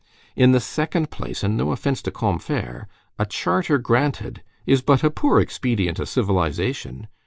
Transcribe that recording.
In the second place, and no offence to Combeferre, a charter granted is but a poor expedient of civilization.